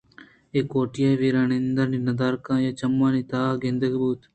اے کوٹی ءِ ویراندائی ءِ ندارگ آئی ءِچمانی تہا گندگ بوت